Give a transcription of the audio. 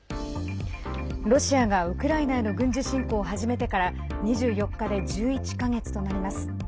ロシアがウクライナへの軍事侵攻を始めてから２４日で１１か月となります。